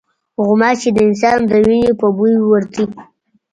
غوماشې د انسان د وینې په بوی ورځي.